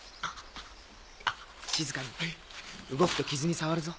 静かに動くと傷に障るぞ。